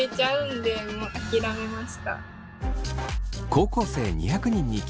高校生２００人に聞きました。